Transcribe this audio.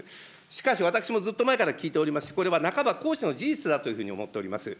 しかし私もずっと前から聞いております、これはなかばの事実だというふうに思っております。